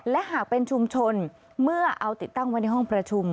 และหากเป็นชุมชนเมื่อเอาติดตั้งไว้ในห้องประชุม